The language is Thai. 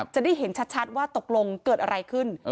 จะได้เห็นชัดว่าตกลงเกิดอะไรขึ้น